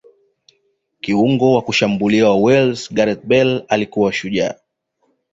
kiungo wa kushambulia wa Wales gareth bale alikuwa shujaa